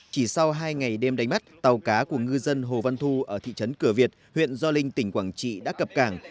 chỉ sau hai ngày đêm đánh bắt tàu cá của ngư dân hồ văn thu ở thị trấn cửa việt huyện gio linh tỉnh quảng trị đã cập cảng